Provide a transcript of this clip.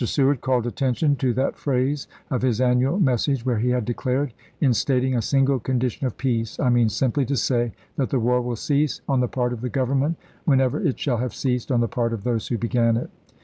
Seward called attention to that phrase of his annual mes sage where he had declared, "In stating a single condition of peace, I mean simply to say that the war will cease on the part of the Government whenever it shall have ceased on the part of those who began it."